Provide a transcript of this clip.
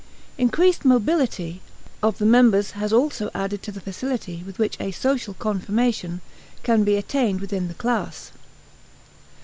Increased mobility of the members has also added to the facility with which a "social confirmation" can be attained within the class.